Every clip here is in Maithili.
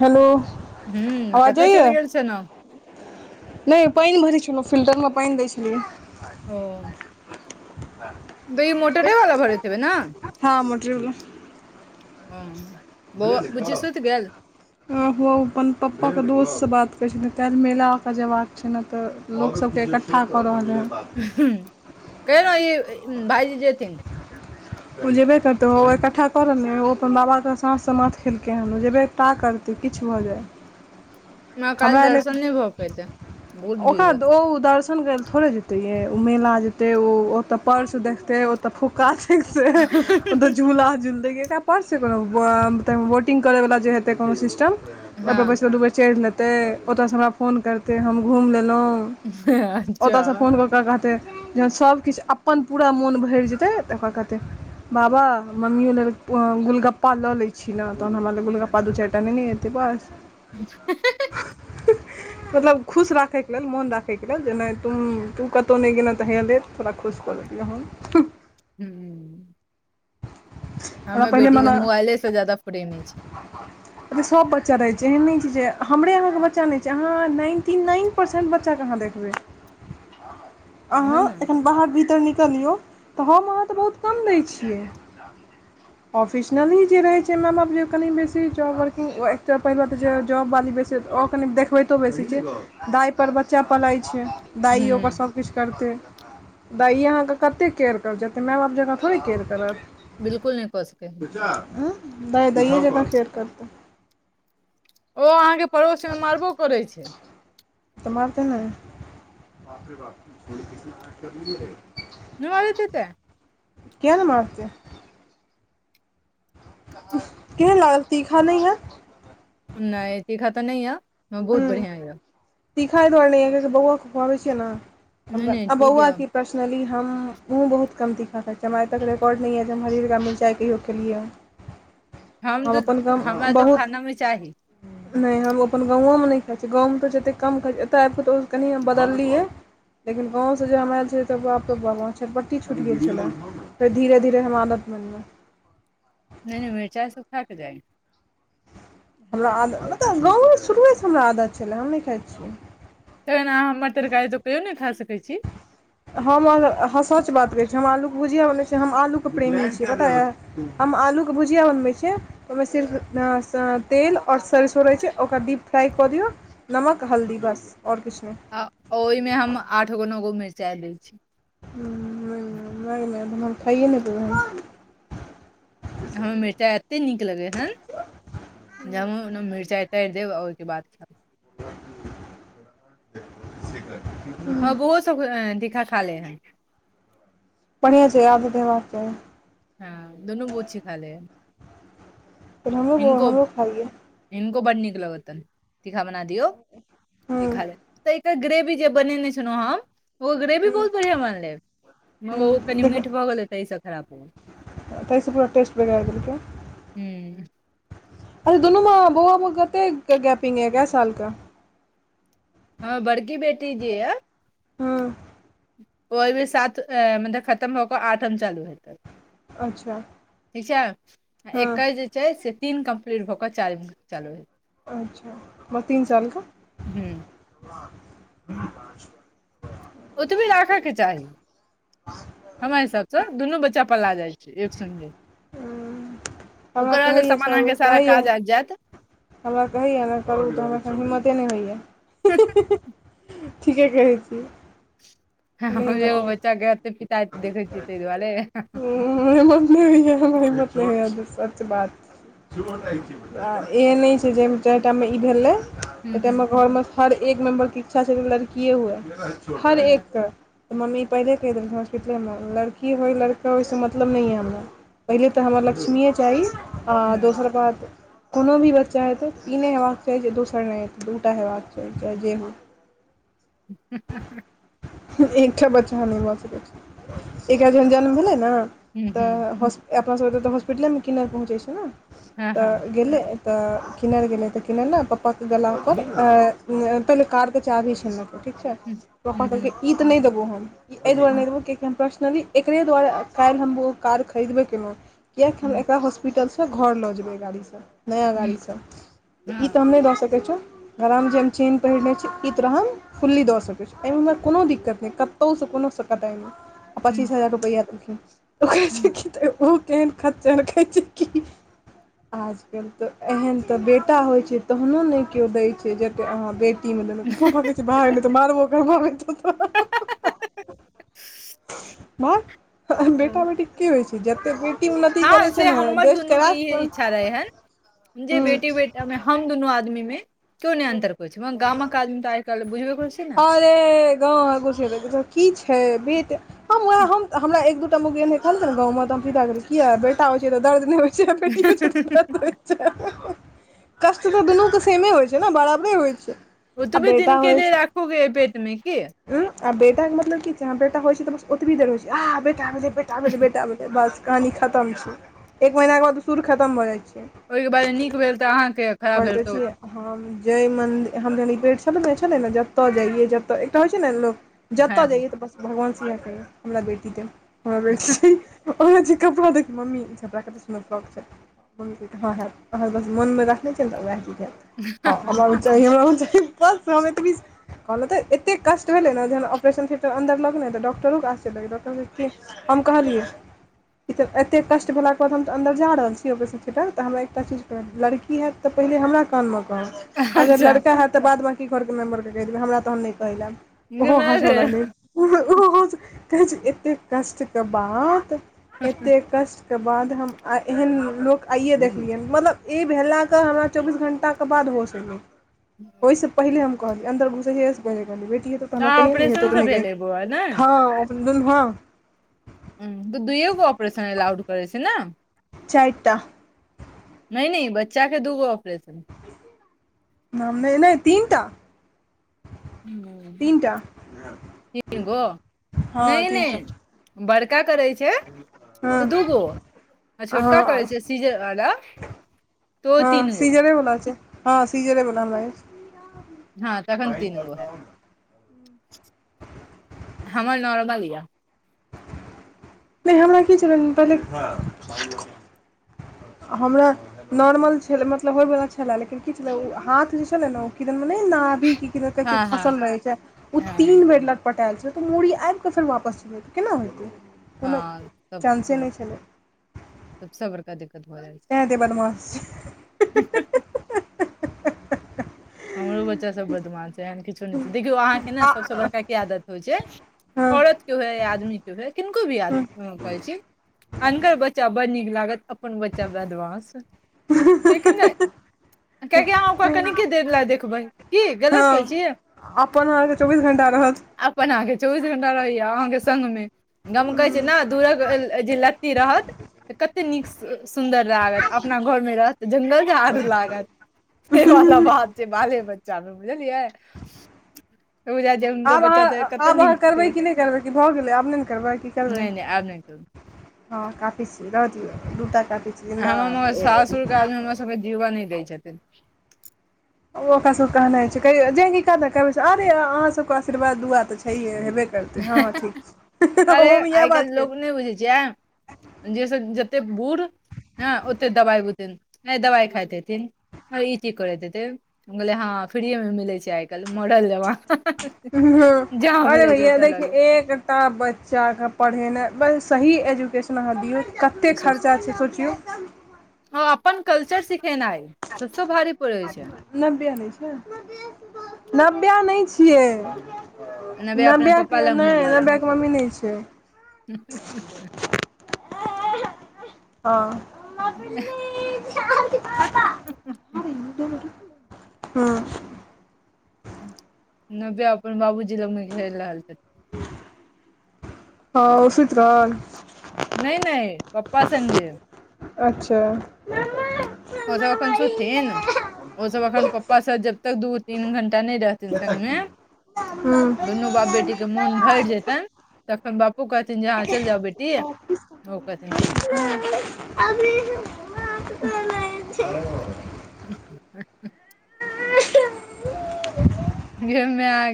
हेलो हूँ आवाज कत जाइया चलिगेल छलहूँ नहि पानि भरै छलहुँ फिल्टरमे पानि दै छलियै। ओ आ [unintelligible] दुई मोटरे वला भरैत हेबै ना हँ मोटरवला हँ बौआ बुच्ची सुति गेल [unintelligible] ओ अपन पप्पाके दोस्तसँ बात करैत छथिन तैं मेलाके जेयबाक छै ने तऽ लोक सबके इकठ्ठा कऽ रहल हइ। कहिनाहु ई भाइजी जेथिन। ओ जेबे करतै ओ-ओ इकट्ठा कऽ रहल ओ अपन बाबाके साँस समाथ खेलकै हन ओ जेबे। टा करतै किछु भऽ जाय। काल्हि हमरा एल दर्शन नहि भऽ पेतै बहुत भीड़ ओकरा रहतै ओ दर्शन कर ला थोड़े जेतै। तऽ या ओ मेला जेतै ओ ओतऽ पर्स देखतै ओऽ तऽ फुका छै से झूला झूलतै परस कोनो वोटिंग करैवला जे हेतै कोनो सिस्टम ओहिपर हँ बैस कऽ दू बेर चेंढ़ लेतै। त ओतयसँ हमरा फोन करते हम घुमि लेलहुँ अच्छा ओतयसँ फोन कऽ ओकरा कहतै जखन सभकिछु अपन पूरा मोन भरि जेतै तऽ ओकरा कहतै। बाबा मम्मियो लेल गुलगप्पा लऽ लैत छी ने तहन हमरा लेल गुलगप्पा दू चारि टा ने ने एत त बस [unintelligible] [unintelligible] मतलब खुश राखयके लेल मोन राखयके लेल जे नहि तू कतहु नहि गेलहुँ तऽ हेया ले तोड़ खुश क देलियौ हन हूँ हमरा हमे पहिने बेटी के मने मोबाइले से ज्यादा फ्रेमे छी। एतऽ सभ बच्चा रहैत छै एहन नहि छै जे हमरे अहाँके बच्चा नहि छै अहाँ नाइनटी नाइन परसेन्ट बच्चाके अहाँ देखबै। [inaudible] ओहे अहाँ ने एखन बाहर भीतर निकलियौ त हम अहाँ त बहुत कम दैय छी। किया [inaudible] ओफेशनली जे रहे छै माए बाप कनि बेसी जॉब वर्किंग एक त पहिल बात जे जॉब वाली। से ओ कनि देखबैतो बेसी छै दाइ पर बच्चा पलाइ छै दाइ ओकर हूँ सभकिछ करतै दाइए अहाँके कते केयर करतै जेतै माय बाप जकाँ थोड़े केयर करतै त। बिलकु नहि पचतै द दइए जतऽ फेर करतौ ओ अहाँके पड़ोसमे मारबो करै छै। मारते नै। न आरतेत [unintelligible] किए नहि मारतै। केहन लागल तीखा नहि ह नहि तीखा तऽ नहि या बहुत हूँ बढ़िया ये। तीखा अय दुआरे नहि ये बौआके खुआबै छियै ने हम नहि नहि आ ठीक बौआ यऽ क पर्सनली हमहू बहुत कम तीखा खाई छियै हम आइ तक रिकॉर्ड नहि हइ जे हम हरिहरका मिरचाइ कहियोे खेलिये हन। हम तऽ अपन कम हमरा तो बहुत खाना मे चाही। नहि हम ओ अपन गाँवोमे नहि खाइ छिये गाँवमे तऽ जतेक कम खाइत छै एतय आबि कऽ तऽ कनि बदलियै लेकिन गाँव से जे हम आयल छे तऽ बापके बा छटपट्टी छुटि गेल छले। फेर धीरे धीरे हम आदत बनी गेल नहि नहि मिरचाइ सब खा क जाइ। हमरा आदत मतलब गाँवमे शुरुएसँ हमरा आदत छलै हम नहि खाइत छियै। तखन अहाँ हमर मटरखाई तकहियो नहि खा सकैत छी हम सच बात कहै छी हम आलूके भुजआ बनबै छी हम आलूके प्रेमी छियै पता ये। हम आलू के भुजिया बनबै छियै ओहिमे सिर्फ तेल आओर सरसो रहैत छै ओकरा डीप फ्राइ कऽ दियौ नमक हल्दी बस आओर किछ नहि। आ ओहिमे हम आठ गो नो गो मिरचाई दय छी। माय गे माय हम तऽ खाइये नहि पेबै। हमरा मिरचाइ एतेक नीक लगै हन ज ओमे मिरचाइ उ तारि देब आ ओहिके बाद खाब। [inaudible] आब उहो सब तीखा खा ले है। बढ़िआ छै यादो तऽ रहतो। हँ दुनू बुची खा ले हैं। फेर हमरो बौआ खाइए। हिन्को बड नीक लगतन तीखा बना दियौ इ खा तऽ एकर ग्रेवी जे बनेने छलहुँ हम ओ ग्रेवी हुं हुं बहुत बढ़ियां बनले मगर ओ कनि मीठ भऽ गेलै तहिसँ खराब भऽ गेलै तय सॅ ओकर टेस्ट बना देलकै। हूँ। अभी दुनू म बौआ मे कते गैपिंग य केय साल का हमर बड़की बेटी जे य हँ ओहि भी सात मतलब खतम हो कऽ आठम चालू हेतै। अच्छा ठीक छै हँ एकर जे छै से तीन कम्प्लीट भऽ कऽ चारीम चलू हय अच्छा तीन साल कऽ हुँ [inaudible] ओतबे राखऽ केँ चाही। हमरा हिसाबसँ दुनू बच्चा पलाय जाइ छै एक सगे। हमरा ओकरा लऽ कहैया सामान सब अहाँकेँ सारा कहैया काज आइब जैत हमरा कहैय नऽ करू तऽ हमरा हिम्मते नय होइय ठीके कहै छी ह ह नहि हमरो हिम्मत एगो होइया बच्चा छै एते पिता देखै छियै तय दुआरे। [unintelligible] आ एहन नय छै जाहिमे चाइर टामे ई भेलै। हूँ ओय टाइम हूँ मे घर मऽ हर एक मेम्बर केँ इच्छा छलै लड़किए हुए हर हँ एक कऽ तऽ मम्मी पहिले कहि देलखिन। [unintelligible] सुतले मऽ लड़की होइ लड़का होइ ओइसँ मतलब नय यऽ हमरा पहिले तऽ हमरा लक्ष्मीए चाही। आ हँ दोसर बात कोनो भी बच्चा हेतै ई नय हेबाक चाही जे दोसर नय हेतै दू टा हेबाक चाही चाहे जे होय। हे हे हे एकटा बच्चा नय भऽ सकै छै एकरा जहन जन्म भेलै नऽ हूँ हूँ तऽ हॉस - अपना सभ एतऽ तऽ हॉस्पिटले मऽ किनर पहुँचै छै नऽ हँ हँ तऽ गेलै तऽ किनर गेलै तऽ किनर नऽ पपा केँ गला पर अ अ पहिले कार केँ चाभी छिनलकै ठीक छै हूँ पपा हूँ कहलकै हूँ ई तऽ नय देबौ हम ई एय दुआरे हूँ नय देबौ किया पर्सनली एकरे दुआरे काइल हम ओ कार खरीदबे केलहुँ कियाकि हम हूँ एकरा हॉस। पिटलसँ घर लऽ जेबै एय गाड़ीसँ नया गाड़ीसँ ई हँ तऽ हम नय दऽ सकै छियो गराम जेन थिन पहिने छै ई रहैन फुल्ली दऽ सकै छी एहिमे कोनो दिक्कत नय कतहुसँ कोनोसँ कटाइ नय आ हूँ पचीस हजार रुपैया देलखिन ओ कहै छै हूँ कि ओ केहन खच्चर कहय छै कि आजकल तऽ एहेन तऽ बेटा होइ छै तहनो नय केओ दय छै जते अहाँ बे। टी देलौ पपा कहय छै भाग नय तऽ मारबो करबो आब एतौ तऽ [inaudible] भाग बेटा बेटी की होइ छै जेतय की कि उन्नति करै हँ छै से ने हमर देश केँ दुनू के राष्ट्र इहे मऽ तयमे हम दुनू आदमी मे केओ नय अन्तर करै छै मगर गामक आदमी तऽ आइ काइल बुझबे करै छिये नऽ। से गांव [unintelligible] की छै बेट हम वहए हम हमरा एक दूटा मौगी एहिने कहल ने गाँव मे तऽ हम सिधा कहलियै किया बेटा होइ छै तऽ दर्द नय होइ छै बेटी होइ छै दर्द [unintelligible] कष्ट तऽ दुनूकेँ सेमे होइ छै नऽ बराबरे होइ छै आ ओतबे बेटा दिनकेँ लए राखहु केँ हय पेट मे की। हूँ आ बेटा केँ मतलब की छै अहाँ बेटा होइ छै तऽ बस ओतबी देर होइ छै आहाँ बेटा भेलै बे टा भेलै बेटा भेलै बस कहानी खतम छै एक महीना कऽ बाद सुर खतम भऽ जाइ छै। ओहि केँ बादे नीक भेल तऽ अहाँकेँ खराब भेल तऽ उ हँ जइ मंद हम जहन ई पेट छलने छलै ने मन्दिर हम ज पेट छलहुँ ने छलै ने जतय जइयै जतय एकटा होइ छै ने लोक जतय हँ जइयै तऽ बस भगवानसँ इएह कहियै हमरा बेटी देब हमरा बेटी चाही। ओइमे जे कपड़ो‌ देखी मम्मी ई कपड़ा कतेक सुंदर फ्रॉक छै। बस मनमे रखने छियनि तऽ वैएह हैत। नहि हमरा आओर बस हम एतनीसँ कहलहुँ तऽ एते कष्ट भेलै ने जहन आपरेशन थिएटर अन्दर लग गेलय ने डॉक्टरो के आश्चर्य लगय डाक्टर कहय कि हम कहलियै एते कष्ट भेलाक के बाद हम त अन्दर जा रहल छीयै ओपरेशन थिएटर तऽ हमरा एकटा चीज तऽ लड़की हैत तऽ पहिले हमरा कानमे कहब। औ अगर अच्छा लड़का हयैत तऽ बाद बाकी घरके मेंबरके कहि देबै हमरा तहन नहि कहय लेल आयब ओहो हँसऽ तऽ लगलै। ओ हो ओ हो कहै छै एते कष्ट के बाद एते कष्ट के बाद हम आ एहन लोक आइए देखलियनि मतलब ई भेलाके हमरा चौबीस घण्टा तकर बाद होस एलै। ओहिसँ पहिले हम कहलियै अन्दर घुसैेये से पहले हम कहलियै बेटी हेतो तऽ हमरा अहाँ कहियें नहि हेतौ ऑपरेशन त से नहि भेलै बौआ ने कहियें हम्म तऽ दुइएगो ऑपरेशन एलाउड करै छै न चारिटा नहि नहि बच्चा के दूगो ऑपरेशन। नाम नए नए तीनटा तीन तीनटा गो हँ नहि तीनटा नहि बड़का करै छै त हँ दूगो आ छोटा हँ करै छै सीज वाला तो ह सीजरे बला छै हँ सीजरे। बला हमराअछि हँ तखन तीन गो हैत हमर नाम ल र्लिया नहि हमरा की चल पहिले ह [unintelligible] आ हमरा नोर्मल छल मतलब होय वला छलै लेकिन की छलै ओ हाथ जे छले ने ओ किदन मेनाभी क कहै छै हँ हँ फसल रहै छै ओ हँ तीन बेर ल पटायल छल तऽ मूड़ी आबिकऽ फेर वापस जेबतै केना होतै कोनो हँ सब चान्से नहि छलै सब सेबड़का दिक्कत भ जायतछै ते एते बदमाशछै [unintelligible] [unintelligible] हमरो बच्चासभ बदमास छै एहन किछो नहि छै देखियौ अहाँके ने आ सभसँ बड़का की आदत होइ छै हँ त के हो या आदमी के है किनको भी आद कहै छै अनकर बच्चा बड़ नीक लागत अपन बच्चा बदमास छैकिनहि। कियकि अहाँ ओकरा हँ कनीको ला देखबय की गलत कहै हँ छ अपन अहाँके चौबीस घण्टा रहत अपन अहाँके चोबीस घंटा रहिए अहाँके संग नै गमकै छै ने दूर अ जे लत्ती रहत तऽ कते नीक सुन्दर लागत अपना घरमे रहत नेजाद लागतसेबला बात आबे बच्चा मे बुझलियै छै हुनकर आब बच्चा तऽ अहाँ कते आब अहाँ नीक करबै छै कि नै करबै कि भऽ गेलै आब नै ने करबै की करबै नहि नहि आब नहि करू हँ काफी छी रह दियौ दूटा काफी छी हमर म जिन्दाबाद सासुरके आदमी हम सबके जीव नै दै छथिन ओ ओका सब के कहनाय छै जे कि कहबै छै अबै या अहाँसब के आशीर्वाद दुआ तऽ छैहे हेबे करतै हँ हँ ठीक छै ओहोमे इएह बात क नै बुझै छियाय जेस जते बूढ़ हँ ओते दबाइ बुतैन तै दबाइ खाइतेथिन ई की करैत हेतै हम कहलियै हँ फ्रीए मे मिले छै आइ काल्हि मॉडल जमा अले भैयए ओतऽ लऽ लेब देखी ता बच्चाके पढ़ेनाइ बस सही एजुकेशन अहाँ दिऔ कते खर्चा छै सोचियोे ओ अपन कल्चर सिखेनाइ सबस भारी पड़ै छै नब्बेया नै छीयै नब्बेया नै छियै नबे अपना नब्बेया के पप्पा लग नै नब्बेया के मम्मी नै छै ह [unintelligible] हँ ममा प्लीज [unintelligible] हँ [unintelligible] नब्बेया अपन बाबूजी लगमे घेल आल छ हँ ओ सुंत रहल नै नै पप्पा संगे अच्छा ओ सब अखन सुथिन ओ सब अखन पप्पा स जबतक दू -तीन घंण्टा नैय रहथिन संगमे हुँ दुनू बाप बेटी के मोन भैर जेतैन तखन बाप ओ कहथिन जे हाँ चैल जाउ बेटी ओ कहथिन ठीक [unintelligible] [inaudible] [inaudible] गे मेए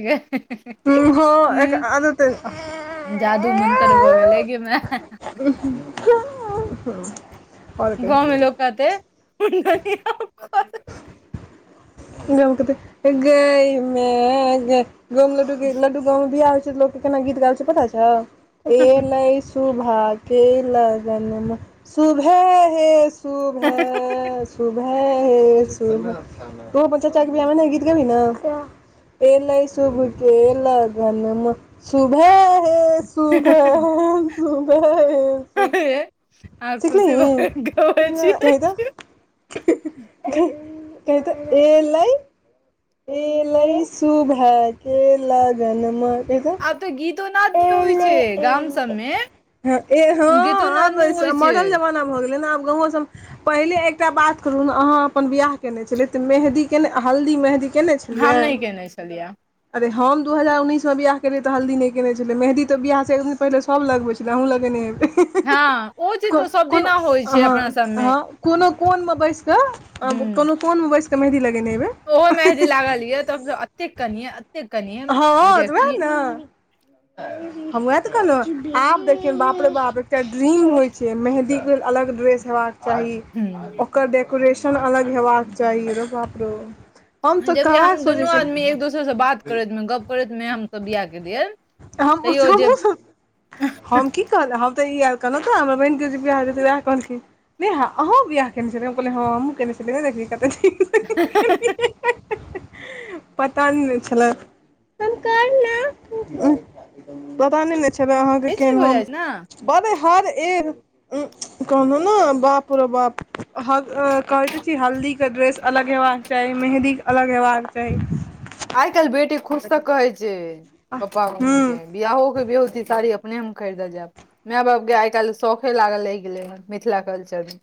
हँ एक आदत गे जादू -मंन्तर भऽ गेलै गे मए [unintelligible] की गाँव मे लोक कहतेै [unintelligible] गाँव मे कहतै गैय मेइ गै [unintelligible] गाँंव मे बियाह होइय छै त लोक केना गीत गाबै छै पता छौ एलै सुभा शुभाके लगनमा शुभे हे शुभै शुभे हे शुभे तू अपन चऽचा के बियाह मे एनाही गीत गेबही न ए लै शुभ के लगनमा शुभे हे शुभे - शुभे हे सुबह आ खुशी भ सिखलिही के कहैछियै [unintelligible] कहि तऽ एलै एलै शुभा के लगनमा कहित आब तऽ गीतो नाद नै होय छै गाम एलै सबमे ए हं गीतो नाद आब नहि होइ छै मॉडल जमाना भऽ गेलै न आब गाँव सब मे पहिले एकटा बात करू अहाँ अपन बियाह केने छेलीयै तऽ मेहदी केँ नय - हल्दी -मेहदी केने हम छेलीयै नहि केने छलियै अरे हम दु हजार उन्नीस मे बियाह केलियै त हल्दी नै कने छेलियै मेहदी तऽ बियाह सँ एक दिन पहिले सभ लगबै छैय अहूँ लगेने हेबै हँ ओ चीज तऽ सब कोन-कोन दिना होइ छै - हँ अपना सबमे हँ कोनो-कोन मऽ बैस कऽ हँ हूँ कोनो कोन मऽ बैस कऽ मेंहदी लगेने हेबै ओहो मेहदी लागल या तब तऽ अतेक अ हँ तऽ वैह नऽ हम वैह तऽ कहलौ आब देखियौ बाप रे बाप एकटा ड्रीम होइ छै मेंहदी केँ लेल अलग ड्रेस हेयबाक चाही हूं ओकर डेकोरेशन अलग हेबाक चाही रो बाप रो जबकि हम दुनू आदमी एक दोसर सँ बात करैत मे गप करैत मे हमसब बियाह केलियै हमहु - तैयो जे हमहु सब हम की [unintelligible] हम तऽ ई अर कहलौ तऽ हमरा बहिन के जे बियाह हेतै वैह कहलखिन नेहा अहूँ बियाह केने छेलियै हम कहलियै हँ हमहूँ केने छलियै नै देखली कते निक [inaudible] ह ह ह पता नैय न छेलैय पता नैय न छेलै अहाँकेँ ई चीज केहन हो हम जाइ छै ने बर हर ए उ कहलौ नऽ बाप रौ बाप ह -कहै तऽ छी हल्दी कऽ ड्रेस अलग एबाक चाही मेंहदीक अलग एबाक चाही आइय काइल बेटी खुद सँ कहेै छै पपा मम्मी हूँ केँ बियाहो केँ बियोहति साड़ी अपने हम खैरदऽ जैब मइय बापके आइय काइल शखे लागल रैह गेलेै हन मिथिला कल्चर मऽ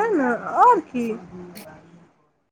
तैय नऽ आओर की